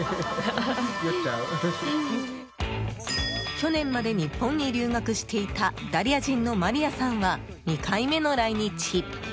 去年まで日本に留学していたイタリア人のマリアさんは２回目の来日。